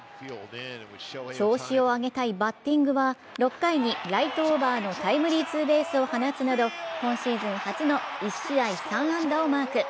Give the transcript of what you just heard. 調子を上げたいバッティングは、６回にライトオーバーのタイムリーツーベースを放つなど今シーズン初の１試合３安打をマーク。